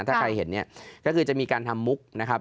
ถ้าใครเห็นเนี่ยก็คือจะมีการทำมุกนะครับ